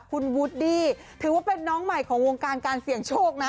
คุณวูดดี้ถือว่าเป็นน้องใหม่ของวงการการเสี่ยงโชคนะ